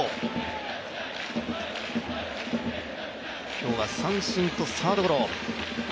今日は三振とサードゴロ。